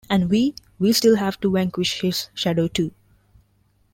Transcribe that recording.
And we - we still have to vanquish his shadow, too.